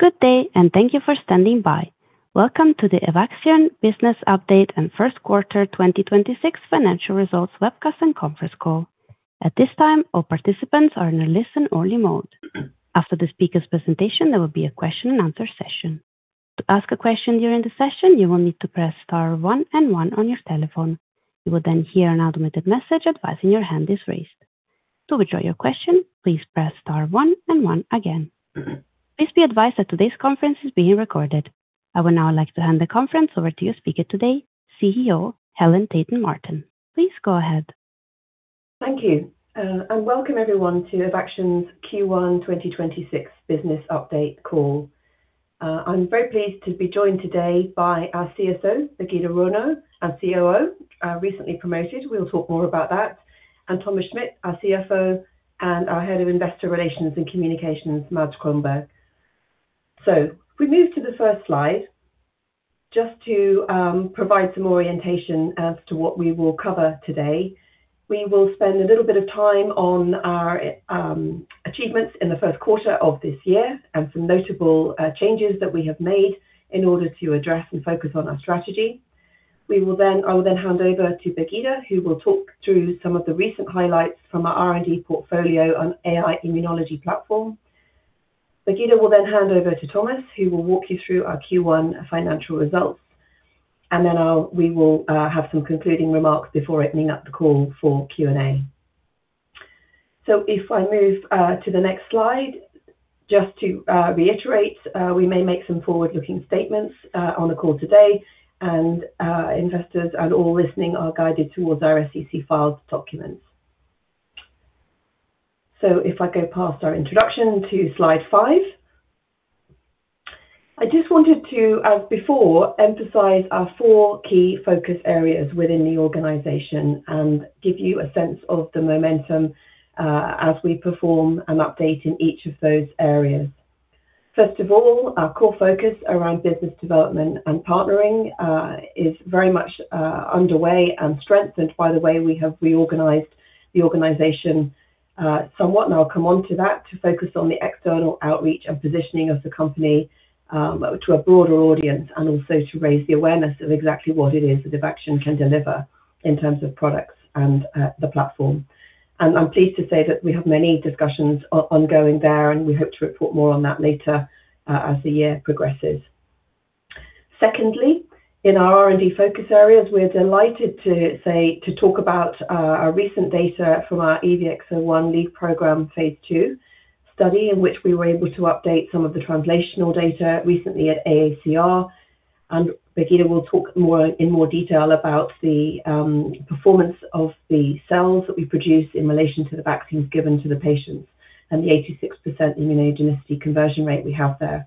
Good day. Thank you for standing by. Welcome to the Evaxion Business Update and First Quarter 2026 Financial Results Webcast and Conference Call. At this time, all participants are in a listen-only mode. After the speaker's presentation, there will be a question and answer session. To ask a question during the session, you will need to press star one and one on your telephone. You will hear an automated message advising your hand is raised. To withdraw your question, please press star one and one again. Please be advised that today's conference is being recorded. I would now like to hand the conference over to your speaker today, CEO Helen Tayton-Martin. Please go ahead. Thank you, and welcome everyone to Evaxion's Q1 2026 Business Update Call. I'm very pleased to be joined today by our CSO, Birgitte Rønø, our COO, recently promoted, we'll talk more about that, and Thomas Schmidt, our CFO, and our Head of Investor Relations and Communications, Mads Kronborg. We move to the first slide just to provide some orientation as to what we will cover today. We will spend a little bit of time on our achievements in the first quarter of this year and some notable changes that we have made in order to address and focus on our strategy. I will then hand over to Birgitte, who will talk through some of the recent highlights from our R&D portfolio on AI-Immunology platform. Birgitte will hand over to Thomas, who will walk you through our Q1 financial results. Then we will have some concluding remarks before opening up the call for Q&A. If I move to the next slide, just to reiterate, we may make some forward-looking statements on the call today, and investors and all listening are guided towards our SEC filed documents. If I go past our introduction to slide 5. I just wanted to, as before, emphasize our four key focus areas within the organization and give you a sense of the momentum as we perform an update in each of those areas. First of all, our core focus around business development and partnering, is very much underway and strengthened by the way we have reorganized the organization, somewhat, and I'll come on to that, to focus on the external outreach and positioning of the company, to a broader audience and also to raise the awareness of exactly what it is that Evaxion can deliver in terms of products and, the platform. I'm pleased to say that we have many discussions ongoing there, and we hope to report more on that later, as the year progresses. Secondly, in our R&D focus areas, we're delighted to talk about our recent data from our EVX-01 lead program phase II study in which we were able to update some of the translational data recently at AACR. Birgitte will talk more, in more detail about the performance of the cells that we produce in relation to the vaccines given to the patients and the 86% immunogenicity conversion rate we have there.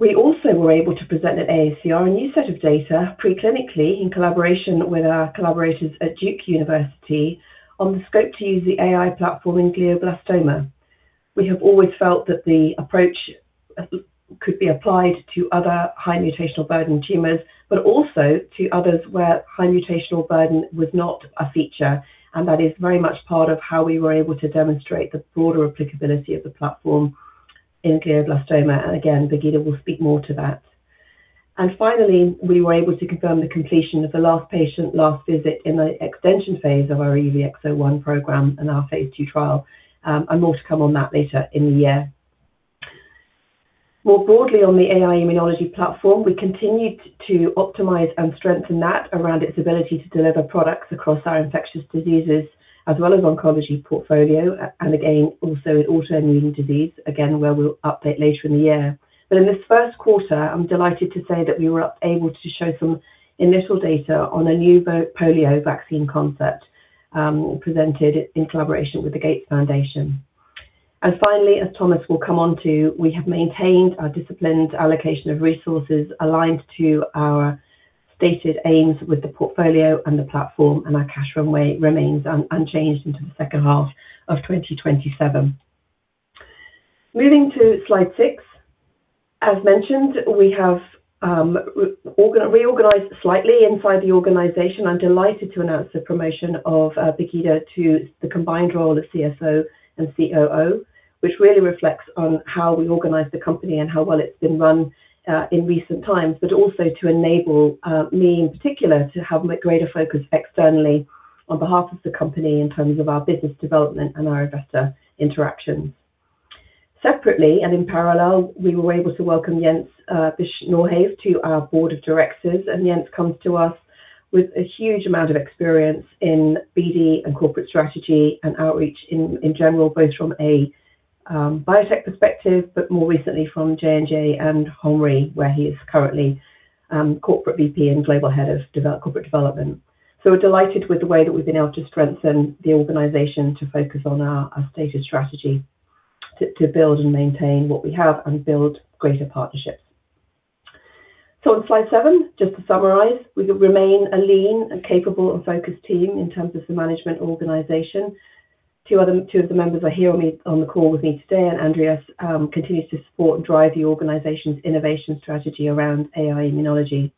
We also were able to present at AACR a new set of data preclinically in collaboration with our collaborators at Duke University on the scope to use the AI platform in Glioblastoma. We have always felt that the approach could be applied to other high mutational burden tumors, but also to others where high mutational burden was not a feature. That is very much part of how we were able to demonstrate the broader applicability of the platform in Glioblastoma. Again, Birgitte will speak more to that. Finally, we were able to confirm the completion of the last patient, last visit in the extension phase of our EVX-01 program and our phase II trial. More to come on that later in the year. More broadly on the AI-Immunology platform, we continued to optimize and strengthen that around its ability to deliver products across our infectious diseases as well as oncology portfolio, and again, also in autoimmune disease, again, where we'll update later in the year. In this first quarter, I'm delighted to say that we were able to show some initial data on a new polio vaccine concept, presented in collaboration with the Gates Foundation. Finally, as Thomas will come on to, we have maintained our disciplined allocation of resources aligned to our stated aims with the portfolio and the platform, and our cash runway remains unchanged into the second half of 2027. Moving to slide 6. As mentioned, we have reorganized slightly inside the organization. I'm delighted to announce the promotion of Birgitte Rønø to the combined role of CSO and COO, which really reflects on how we organize the company and how well it's been run in recent times, but also to enable me in particular to have a greater focus externally on behalf of the company in terms of our business development and our investor interactions. Separately and in parallel, we were able to welcome Jens Bitsch-Nørhave to our board of directors. Jens Bitsch-Nørhave comes to us with a huge amount of experience in BD and corporate strategy and outreach in general, both from a biotech perspective, but more recently from J&J and Homrie, where he is currently Corporate VP and Global Head of Corporate Development. We're delighted with the way that we've been able to strengthen the organization to focus on our stated strategy to build and maintain what we have and build greater partnerships. On slide 7, just to summarize, we remain a lean and capable and focused team in terms of the management organization. Two of the members are here on the call with me today. Andreas continues to support and drive the organization's innovation strategy around AI-Immunology.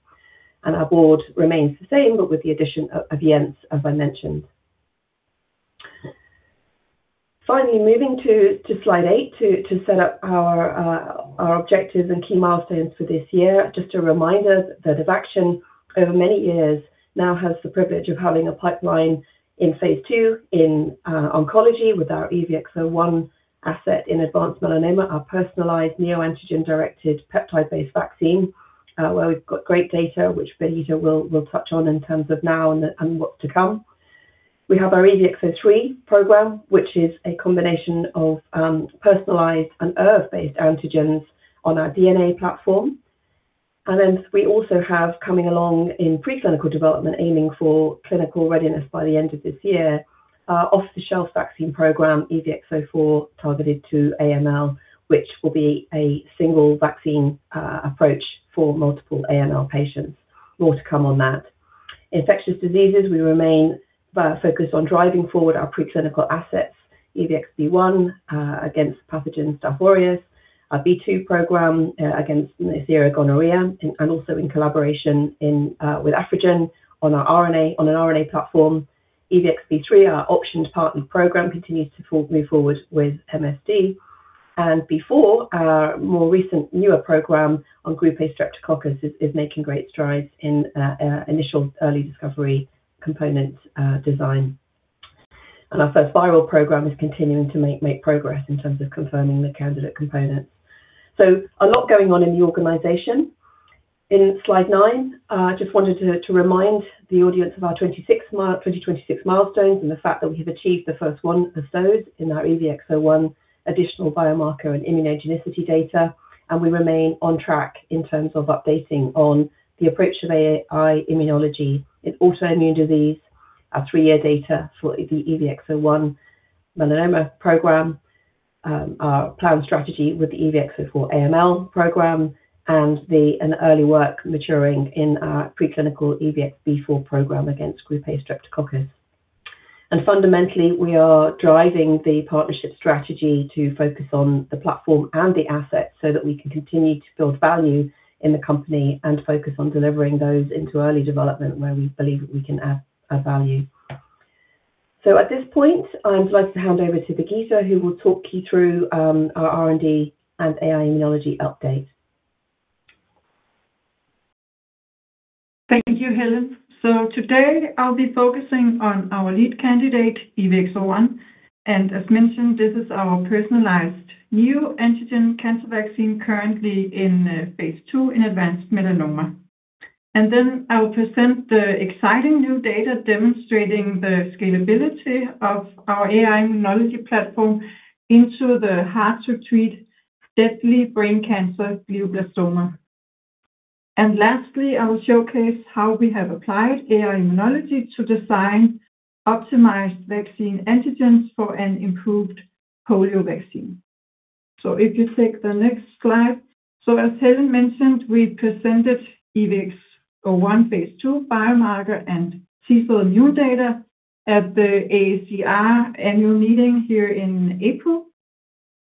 Our board remains the same, but with the addition of Jens, as I mentioned. Moving to slide 8 to set up our objectives and key milestones for this year. Just a reminder that Evaxion, over many years, now has the privilege of having a pipeline in phase II in oncology with our EVX-01 asset in advanced melanoma, our personalized neoantigen-directed peptide-based vaccine, where we've got great data, which Birgitte will touch on in terms of now and what to come. We have our EVX-03 program, which is a combination of personalized and ERV-based antigens on our DNA platform. Then we also have coming along in preclinical development, aiming for clinical readiness by the end of this year, our off-the-shelf vaccine program, EVX-04, targeted to AML, which will be a single vaccine approach for multiple AML patients. More to come on that. Infectious diseases, we remain focused on driving forward our preclinical assets, EVX-B1, against pathogen Staphylococcus aureus, our EVX-B2 program, against Neisseria gonorrhoeae. Also in collaboration with Aphrogen on an RNA platform. EVX-B3, our optioned partnered program, continues to move forward with MSD. EVX-B4, our more recent newer program on Group A Streptococcus is making great strides in initial early discovery component design. Our first viral program is continuing to make progress in terms of confirming the candidate components. A lot going on in the organization. In slide 9, just wanted to remind the audience of our 2026 milestones and the fact that we have achieved the first one of those in our EVX-01 additional biomarker and immunogenicity data. We remain on track in terms of updating on the approach of AI-Immunology in autoimmune disease, our 3-year data for the EVX-01 melanoma program, our planned strategy with the EVX-04 AML program, and early work maturing in our preclinical EVX-B4 program against Group A Streptococcus. Fundamentally, we are driving the partnership strategy to focus on the platform and the assets so that we can continue to build value in the company and focus on delivering those into early development where we believe we can add value. At this point, I'd like to hand over to Birgitte, who will talk you through our R&D and AI-Immunology update. Thank you, Helen. Today I'll be focusing on our lead candidate, EVX-01. As mentioned, this is our personalized neoantigen cancer vaccine currently in phase II in advanced melanoma. Then I will present the exciting new data demonstrating the scalability of our AI-Immunology platform into the hard-to-treat deadly brain cancer glioblastoma. Lastly, I will showcase how we have applied AI-Immunology to design optimized vaccine antigens for an improved polio vaccine. If you take the next slide. As Helen mentioned, we presented EVX-01 phase II biomarker and T cell new data at the AACR annual meeting here in April.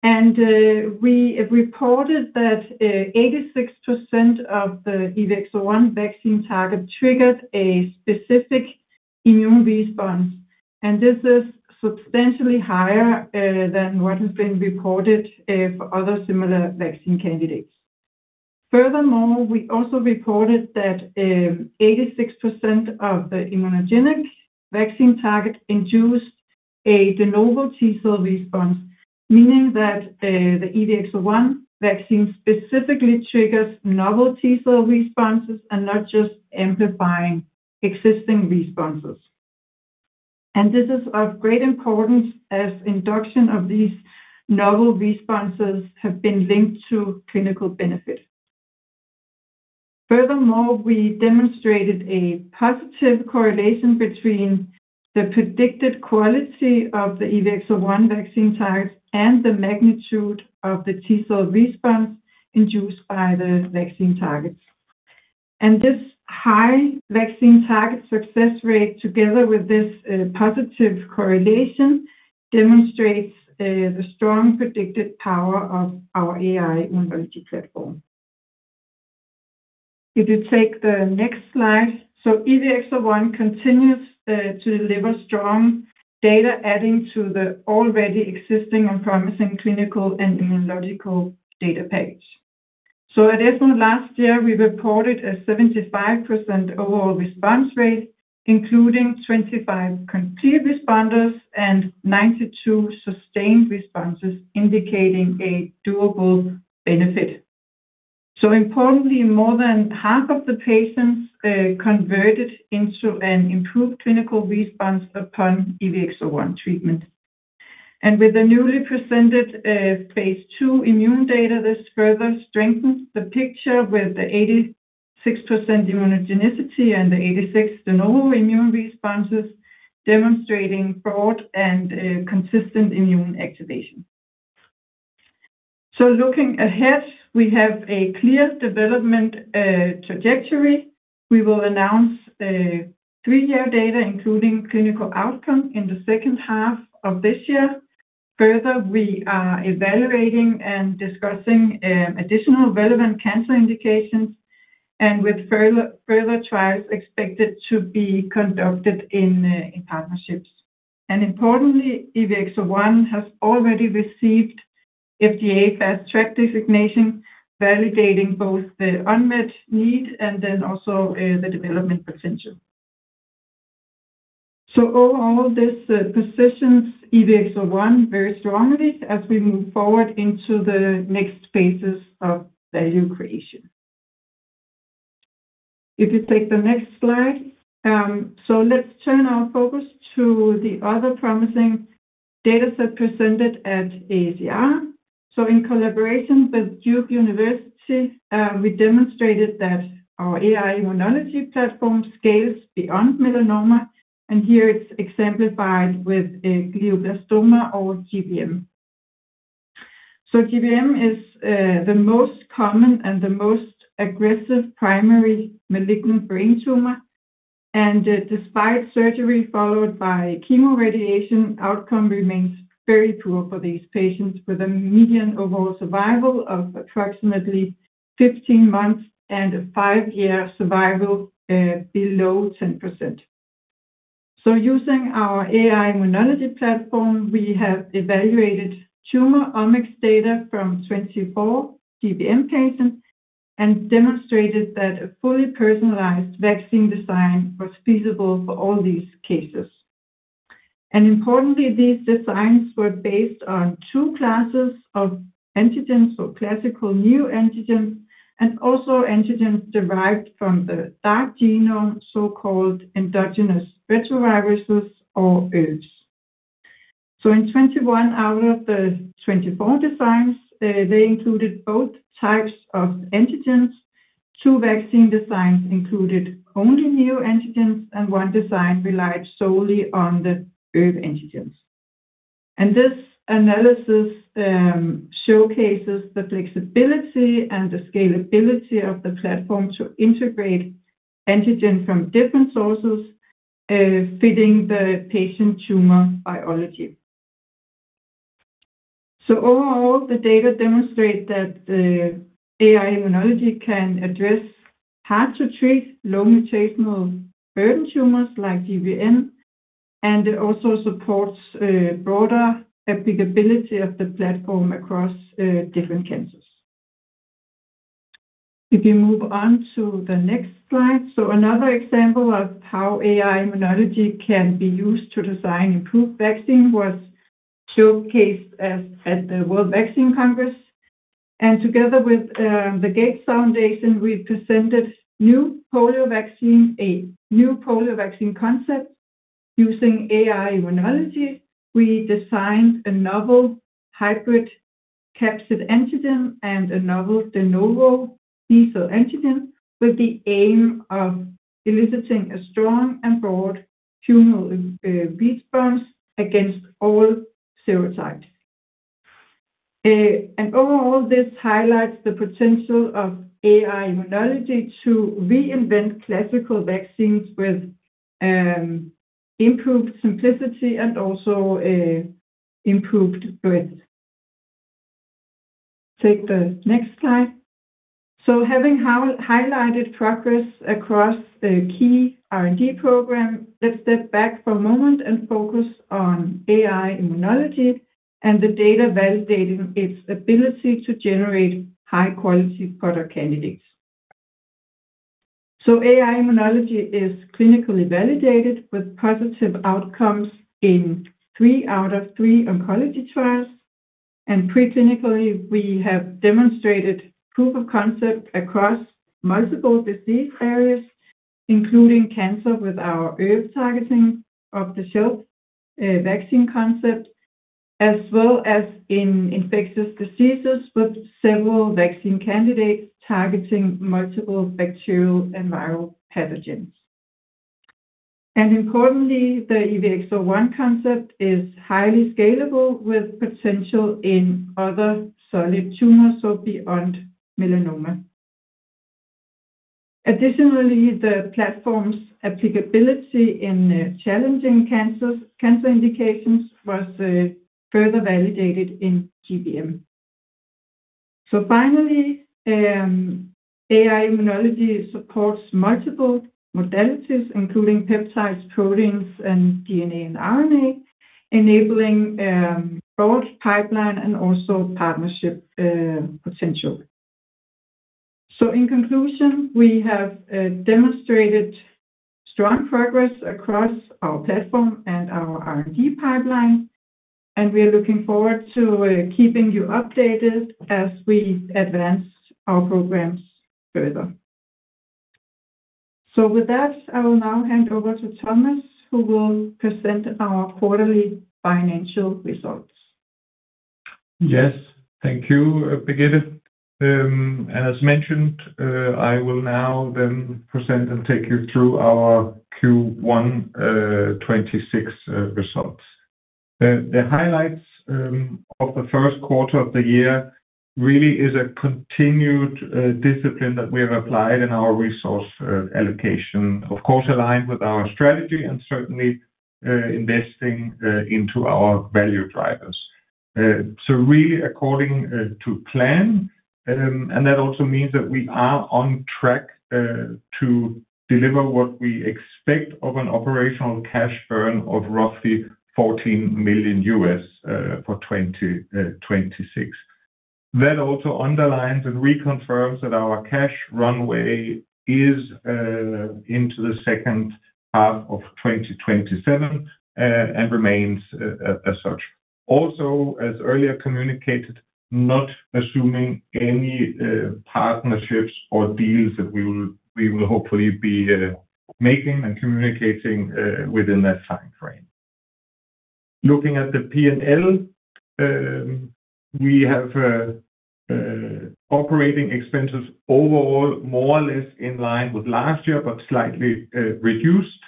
We reported that 86% of the EVX-01 vaccine target triggered a specific immune response. This is substantially higher than what has been reported for other similar vaccine candidates. Furthermore, we also reported that 86% of the immunogenic vaccine target induced a de novo T cell response, meaning that the EVX-01 vaccine specifically triggers novel T cell responses and not just amplifying existing responses. This is of great importance, as induction of these novel responses have been linked to clinical benefit. Furthermore, we demonstrated a positive correlation between the predicted quality of the EVX-01 vaccine targets and the magnitude of the T cell response induced by the vaccine targets. This high vaccine target success rate, together with this positive correlation, demonstrates the strong predicted power of our AI-Immunology platform. If you take the next slide. EVX-01 continues to deliver strong data adding to the already existing and promising clinical and immunological data package. At ESMO last year, we reported a 75% overall response rate, including 25 complete responders and 92 sustained responses, indicating a durable benefit. Importantly, more than half of the patients converted into an improved clinical response upon EVX-01 treatment. With the newly presented phase II immune data, this further strengthens the picture with the 86% immunogenicity and the 86 de novo immune responses, demonstrating broad and consistent immune activation. Looking ahead, we have a clear development trajectory. We will announce 3-year data, including clinical outcome, in the second half of this year. Further, we are evaluating and discussing additional relevant cancer indications and with further trials expected to be conducted in partnerships. Importantly, EVX-01 has already received FDA Fast Track designation, validating both the unmet need and then also the development potential. Overall, this positions EVX-01 very strongly as we move forward into the next phases of value creation. If you take the next slide. Let's turn our focus to the other promising data set presented at AACR. In collaboration with Duke University, we demonstrated that our AI-Immunology platform scales beyond melanoma, and here it's exemplified with a glioblastoma or GBM. GBM is the most common and the most aggressive primary malignant brain tumor. Despite surgery followed by chemoradiation, outcome remains very poor for these patients, with a median overall survival of approximately 15 months and a 5-year survival below 10%. Using our AI-Immunology platform, we have evaluated tumor omics data from 24 GBM patients and demonstrated that a fully personalized vaccine design was feasible for all these cases. Importantly, these designs were based on 2 classes of antigens, classical neoantigens and also antigens derived from the dark genome, so-called Endogenous retroviruses or ERVs. In 21 out of the 24 designs, they included both types of antigens. 2 vaccine designs included only neoantigens, and 1 design relied solely on the ERV antigens. This analysis showcases the flexibility and the scalability of the platform to integrate antigen from different sources, fitting the patient tumor biology. Overall, the data demonstrate that AI-Immunology can address hard to treat low mutational burden tumors like GBM, and it also supports broader applicability of the platform across different cancers. If you move on to the next slide. Another example of how AI-Immunology can be used to design improved vaccine was showcased at the World Vaccine Congress. Together with the Gates Foundation, we presented new polio vaccine, a new polio vaccine concept using AI-Immunology. We designed a novel hybrid capsid antigen and a novel de novo T cell antigen with the aim of eliciting a strong and broad humoral response against all serotypes. Overall, this highlights the potential of AI-Immunology to reinvent classical vaccines with improved simplicity and also improved breadth. Take the next slide. Having highlighted progress across the key R&D program, let's step back for a moment and focus on AI-Immunology and the data validating its ability to generate high quality product candidates. AI-Immunology is clinically validated with positive outcomes in three out of three oncology trials. Preclinically, we have demonstrated proof of concept across multiple disease areas, including cancer with our ERV targeting off-the-shelf vaccine concept, as well as in infectious diseases with several vaccine candidates targeting multiple bacterial and viral pathogens. Importantly, the EVX-01 concept is highly scalable with potential in other solid tumors, so beyond melanoma. Additionally, the platform's applicability in challenging cancer indications was further validated in GBM. Finally, AI-Immunology supports multiple modalities, including peptides, proteins, and DNA and RNA, enabling both pipeline and also partnership potential. In conclusion, we have demonstrated strong progress across our platform and our R&D pipeline, and we are looking forward to keeping you updated as we advance our programs further. With that, I will now hand over to Thomas, who will present our quarterly financial results. Yes. Thank you, Birgitte. As mentioned, I will now present and take you through our Q1 26 results. The highlights of the first quarter of the year really is a continued discipline that we have applied in our resource allocation. Of course, aligned with our strategy and certainly investing into our value drivers. Really according to plan, that also means that we are on track to deliver what we expect of an operational cash burn of roughly $14 million for 2026. That also underlines and reconfirms that our cash runway is into the second half of 2027 and remains as such. Also, as earlier communicated, not assuming any partnerships or deals that we will hopefully be making and communicating within that time frame. Looking at the P&L, we have operating expenses overall more or less in line with last year, but slightly reduced.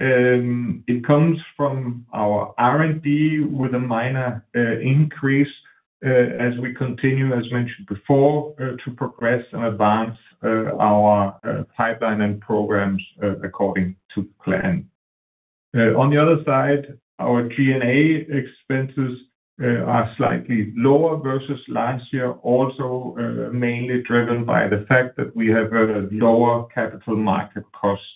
It comes from our R&D with a minor increase, as we continue, as mentioned before, to progress and advance our pipeline and programs according to plan. On the other side, our G&A expenses are slightly lower versus last year. Also, mainly driven by the fact that we have had a lower capital market costs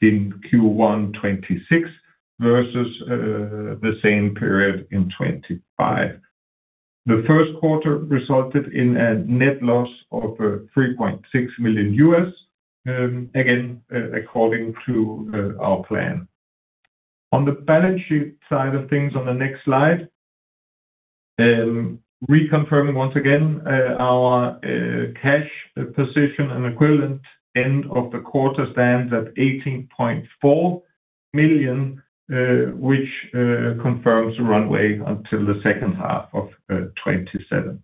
in Q1 2026 versus the same period in 2025. The first quarter resulted in a net loss of $3.6 million USD, again, according to our plan. On the balance sheet side of things on the next slide, reconfirming once again, our cash position and equivalent end of the quarter stands at $18.4 million, which confirms runway until the second half of 2027.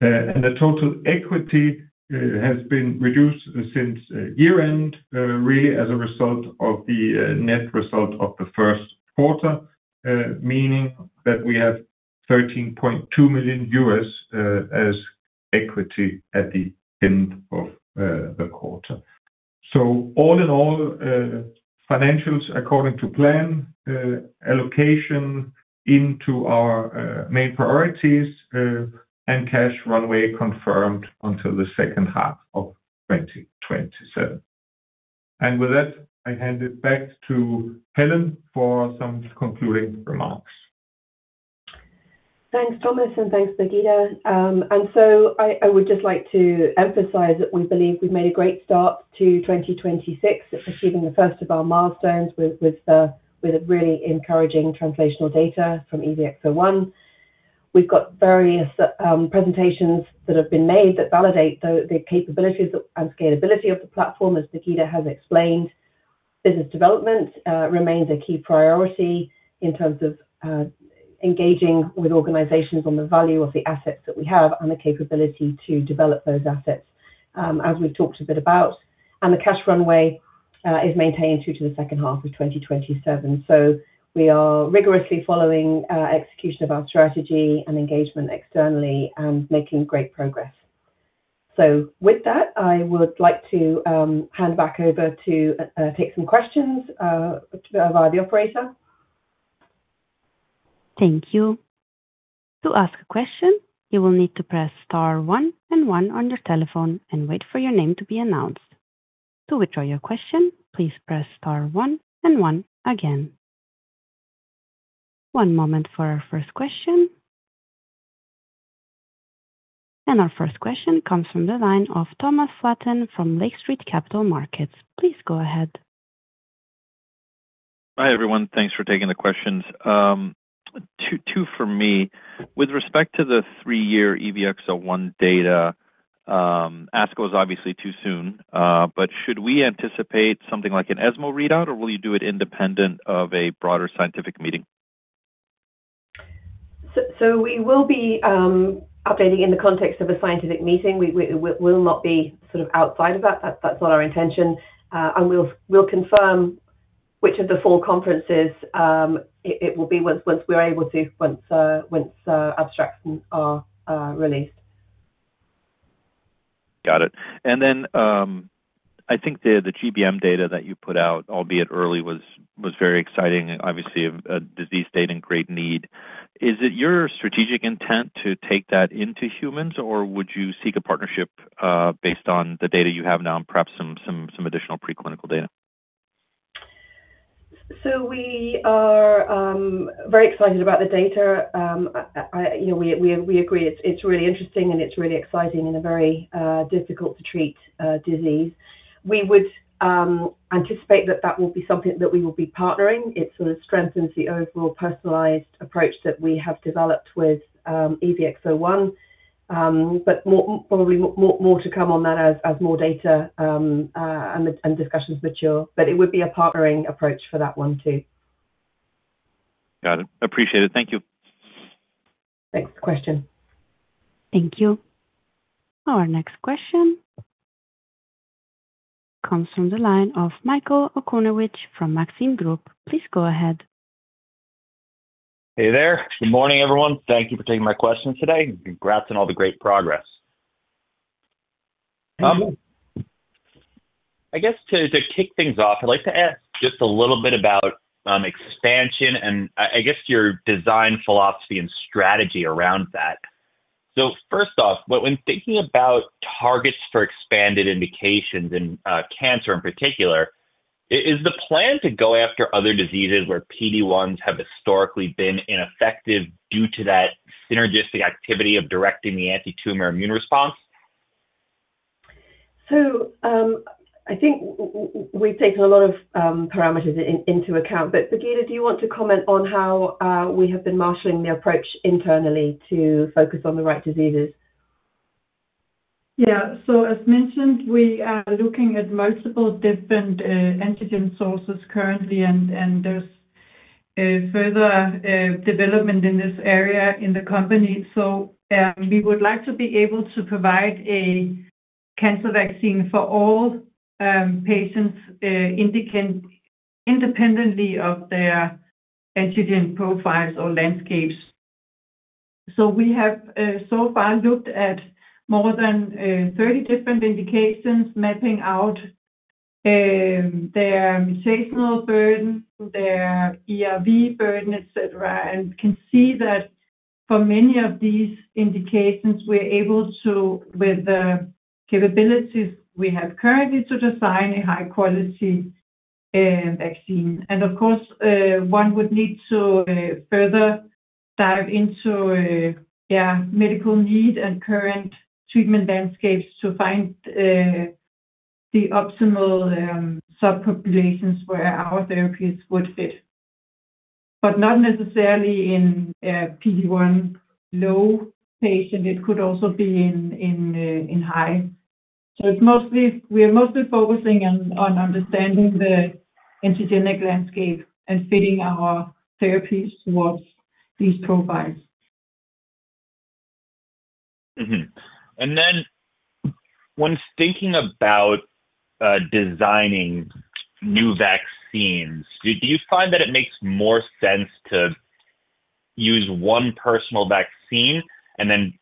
The total equity has been reduced since year-end, really as a result of the net result of the first quarter, meaning that we have $13.2 million as equity at the end of the quarter. All in all, financials according to plan, allocation into our main priorities, and cash runway confirmed until the second half of 2027. With that, I hand it back to Helen for some concluding remarks. Thanks, Thomas, and thanks, Birgitte. I would just like to emphasize that we believe we've made a great start to 2026 achieving the first of our milestones with really encouraging translational data from EVX-01. We've got various presentations that have been made that validate the capabilities and scalability of the platform, as Birgitte has explained. Business development remains a key priority in terms of engaging with organizations on the value of the assets that we have and the capability to develop those assets, as we've talked a bit about. The cash runway is maintained through to the second half of 2027. We are rigorously following execution of our strategy and engagement externally and making great progress. With that, I would like to hand back over to take some questions via the operator. Thank you. Our first question comes from the line of Thomas Flaten from Lake Street Capital Markets. Please go ahead. Hi, everyone. Thanks for taking the questions. Two for me. With respect to the 3-year EVX-01 data, ASCO is obviously too soon, but should we anticipate something like an ESMO readout, or will you do it independent of a broader scientific meeting? We will be updating in the context of a scientific meeting. We will not be sort of outside of that. That's not our intention. We'll confirm which of the 4 conferences it will be once we're able to once abstracts are released. Got it. I think the GBM data that you put out, albeit early, was very exciting. Obviously, a disease state in great need. Is it your strategic intent to take that into humans, or would you seek a partnership based on the data you have now and perhaps some additional preclinical data? We are very excited about the data. You know, we agree it's really interesting and it's really exciting in a very difficult to treat disease. We would anticipate that that will be something that we will be partnering. It sort of strengthens the overall personalized approach that we have developed with EVX-01. Probably more to come on that as more data and discussions mature. It would be a partnering approach for that one too. Got it. Appreciate it. Thank you. Thanks. Question. Thank you. Our next question comes from the line of Michael O'Connor from Maxim Group. Please go ahead. Hey there. Good morning, everyone. Thank you for taking my questions today. Congrats on all the great progress. Thank you. I guess to kick things off, I'd like to ask just a little bit about Evaxion and I guess your design philosophy and strategy around that. So first off, when thinking about targets for expanded indications in cancer in particular, is the plan to go after other diseases where PD-1 have historically been ineffective due to that synergistic activity of directing the antitumor immune response? I think we've taken a lot of parameters into account. Birgitte, do you want to comment on how we have been marshaling the approach internally to focus on the right diseases? As mentioned, we are looking at multiple different antigen sources currently. There's a further development in this area in the company. We would like to be able to provide a cancer vaccine for all patients, indicant independently of their antigen profiles or landscapes. We have so far looked at more than 30 different indications mapping out their mutational burden, their ERV burden, et cetera, and can see that for many of these indications, we're able to, with the capabilities we have currently, to design a high quality vaccine. Of course, one would need to further dive into medical need and current treatment landscapes to find the optimal subpopulations where our therapies would fit. Not necessarily in a PD-1 low patient, it could also be in high. We are mostly focusing on understanding the antigenic landscape and fitting our therapies towards these profiles. Mm-hmm. Then when thinking about, designing new vaccines, do you find that it makes more sense to use one personal vaccine and then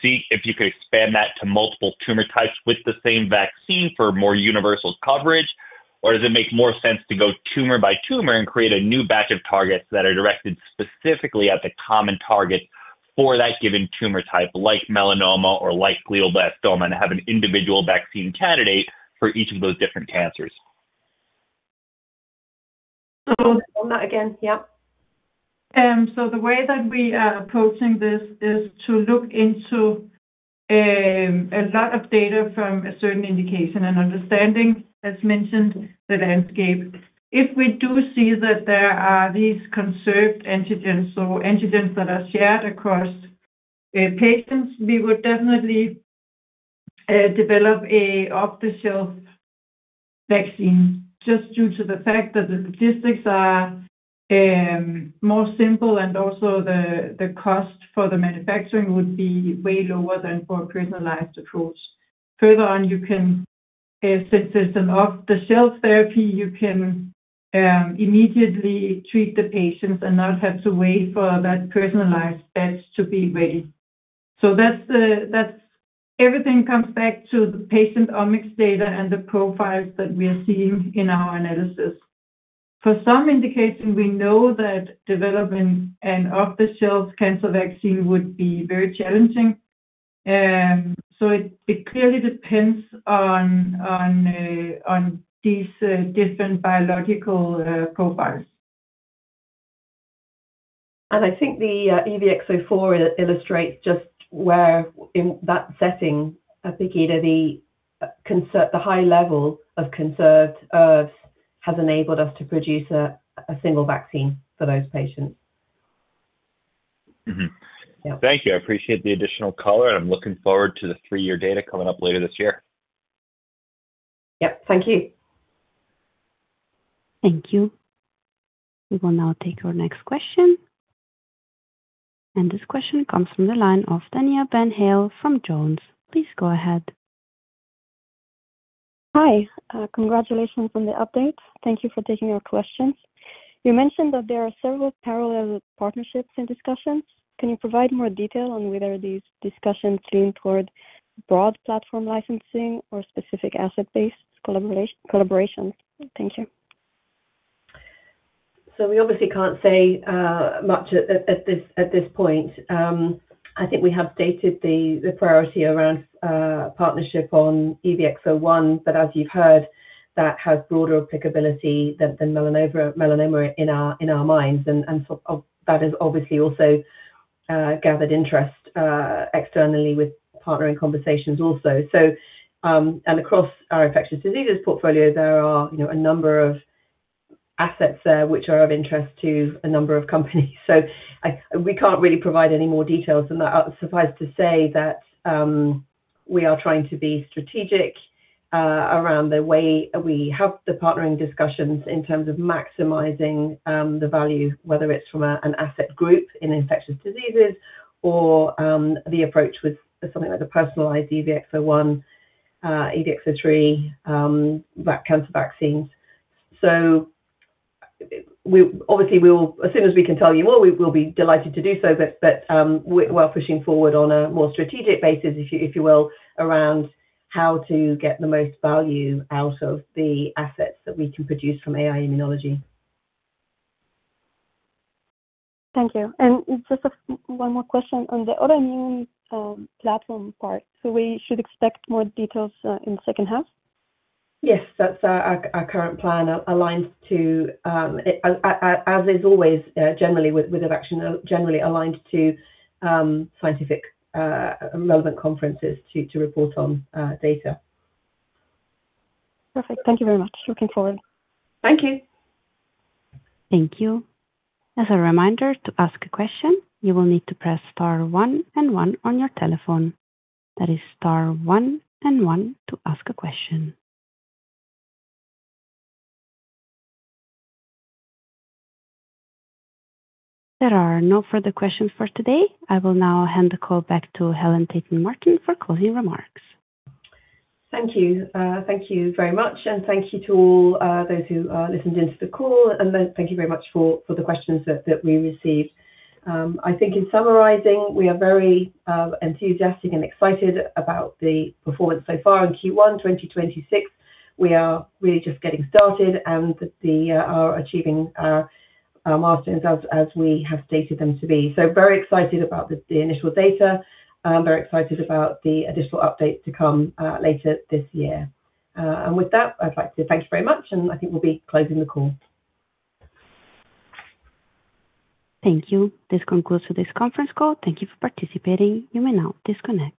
see if you could expand that to multiple tumor types with the same vaccine for more universal coverage? Does it make more sense to go tumor by tumor and create a new batch of targets that are directed specifically at the common target for that given tumor type, like melanoma or like Glioblastoma, and have an individual vaccine candidate for each of those different cancers? Oh, not again. Yeah. The way that we are approaching this is to look into a lot of data from a certain indication and understanding, as mentioned, the landscape. If we do see that there are these conserved antigens that are shared across patients, we would definitely develop a off-the-shelf vaccine just due to the fact that the logistics are more simple and also the cost for the manufacturing would be way lower than for a personalized approach. Further on, you can, since it's an off-the-shelf therapy, you can immediately treat the patients and not have to wait for that personalized batch to be ready. That's everything comes back to the patient omics data and the profiles that we are seeing in our analysis. For some indication, we know that developing an off-the-shelf cancer vaccine would be very challenging. It clearly depends on these different biological profiles. I think the EVX-04 illustrates just where in that setting, Birgitte, the high level of conserved has enabled us to produce a single vaccine for those patients. Yeah. Thank you. I appreciate the additional color. I'm looking forward to the 3-year data coming up later this year. Yep. Thank you. Thank you. We will now take our next question. This question comes from the line of Tania Vanmale from Jones. Please go ahead. Hi. Congratulations on the update. Thank you for taking our questions. You mentioned that there are several parallel partnerships and discussions. Can you provide more detail on whether these discussions lean toward broad platform licensing or specific asset-based collaboration? Thank you. We obviously can't say much at this point. I think we have stated the priority around partnership on EVX-01, but as you've heard, that has broader applicability than melanoma in our minds. That has obviously also gathered interest externally with partnering conversations also. Across our infectious diseases portfolio, there are, you know, a number of assets there which are of interest to a number of companies. I We can't really provide any more details than that. Suffice to say that we are trying to be strategic around the way we have the partnering discussions in terms of maximizing the value, whether it's from an asset group in infectious diseases or the approach with something like a personalized EVX-01, EVX-03 cancer vaccines. We obviously will, as soon as we can tell you more, we will be delighted to do so. But we're well pushing forward on a more strategic basis, if you will, around how to get the most value out of the assets that we can produce from AI-Immunology. Thank you. Just a 1 more question on the Autoimmune platform part. We should expect more details in second half? Yes. That's our current plan aligns to, as is always generally with Evaxion, generally aligned to scientific relevant conferences to report on data. Perfect. Thank you very much. Looking forward. Thank you. Thank you. As a reminder, to ask a question, you will need to press star one and one on your telephone. That is star one and one to ask a question. There are no further questions for today. I will now hand the call back to Helen Tayton-Martin for closing remarks. Thank you. Thank you very much, and thank you to all those who listened in to the call. Thank you very much for the questions that we received. I think in summarizing, we are very enthusiastic and excited about the performance so far in Q1 2026. We are really just getting started and are achieving our milestones as we have stated them to be. Very excited about the initial data, very excited about the additional updates to come later this year. With that, I'd like to thank you very much, and I think we'll be closing the call. Thank you. This concludes this conference call. Thank you for participating. You may now disconnect.